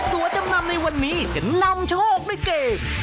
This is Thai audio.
และตัวจำนำในวันนี้จะนำโชคในเกม